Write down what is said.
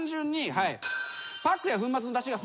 はい。